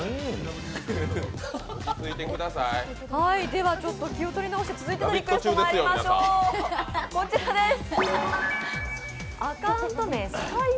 では気を取り直して続いてのリクエストまいりましょう、こちらです。